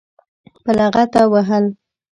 په لغته وهل.